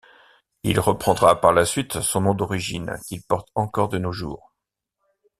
Il reprendra par la suite son nom d’origine, qu’il porte encore de nos jours.